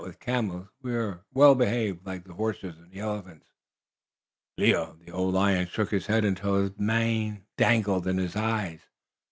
We camels are well behaved, like the horses and the elephants." Leo, the old lion, shook his head until his mane dangled in his eyes.